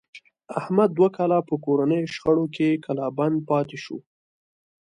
احمد دوه کاله په کورنیو شخړو کې کلا بند پاتې شو.